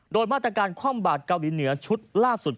โดยมาตรการคว่อหมู่บาดเกาหลีเหนือในชุดล่าสุดของญี่ปุ่นนั้น